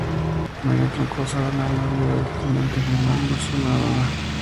María Troncoso de Aranha, viuda del Teniente Germano de Souza Aranha.